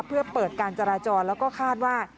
เพื่อเปิดการจราจรแล้วก็คาดว่า